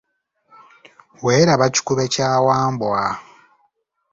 Weeraba kikube kya Wambwa